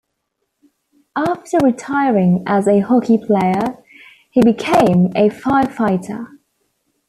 After retiring as a hockey player, he became a firefighter.